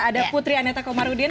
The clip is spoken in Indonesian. ada putri aneta komarudin